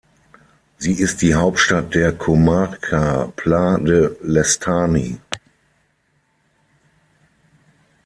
Sie ist die Hauptstadt der Comarca Pla de l’Estany.